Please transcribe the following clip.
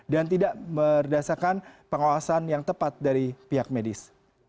dan tidak merdasakan pengawasan yang tepat dari pihak medis